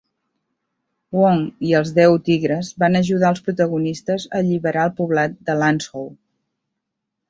Wong i els Deu Tigres van ajudar als protagonistes a alliberar el poblat de Lanzhou.